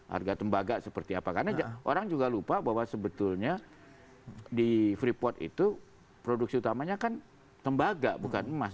harga tembaga seperti apa karena orang juga lupa bahwa sebetulnya di freeport itu produksi utamanya kan tembaga bukan emas